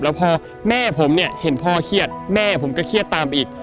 แล้วพอแม่ผมเนี่ยเห็นพ่อเครียดแม่ผมก็เครียดตามอีก